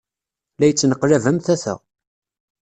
La ittneqlab am tata.